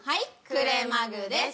くれまぐです。